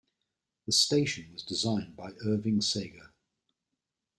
The station was designed by Irving Sager.